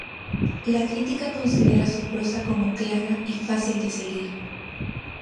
La crítica considera su prosa como clara y fácil de seguir.